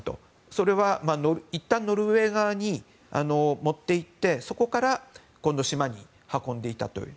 それはいったんノルウェー側に持っていってそこから今度島に運んでいたという。